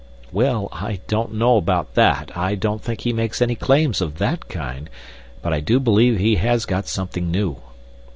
"Well, I don't know about that. I don't think he makes any claims of that kind. But I do believe he has got something new."